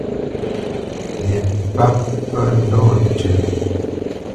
Ye páp pə́ ndɔ̂ tʉ́.